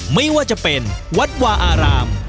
ไม่ว่าจะเป็นวัดวาอาราม